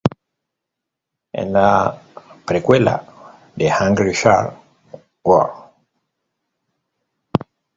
Es la precuela de Hungry Shark World.